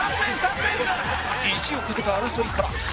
意地をかけた争いから